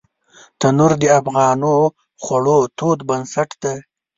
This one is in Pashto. تنور د افغانو خوړو تود بنسټ دی